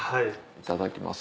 いただきます。